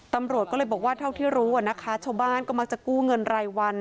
ตำรวจก็เลยบอกว่าเท่าที่รู้นะคะชาวบ้านก็มักจะกู้เงินรายวัน